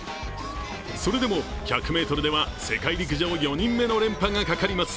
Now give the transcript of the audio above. それでも１００ｍでは世界陸上４人目の連覇がかかります。